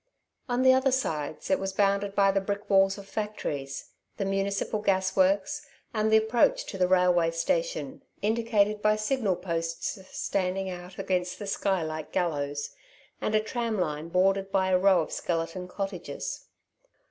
On the other sides it was bounded by the brick walls of factories, the municipal gasworks and the approach to the railway station, indicated by signal posts standing out against the sky like gallows, and a tram line bordered by a row of skeleton cottages.